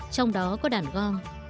trong đó có đàn gong